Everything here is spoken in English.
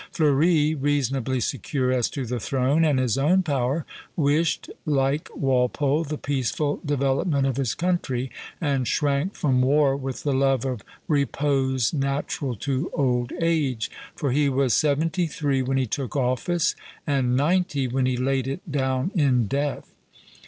Fleuri, reasonably secure as to the throne and his own power, wished like Walpole the peaceful development of his country, and shrank from war with the love of repose natural to old age; for he was seventy three when he took office, and ninety when he laid it down in death.